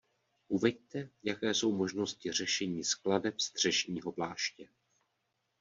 Uveďte, jaké jsou možnosti řešení skladeb střešního pláště.